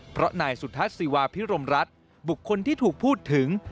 เพราะนายสุทัศน์ศิวาพิรมรัฐบุคคลที่ถูกพูดถึง